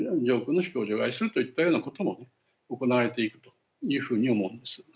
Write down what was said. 上空の飛行を除外するといったようなことも行われていくというふうに思います。